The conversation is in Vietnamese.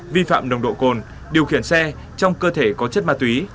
vi phạm nồng độ cồn điều khiển xe trong cơ thể có chất ma túy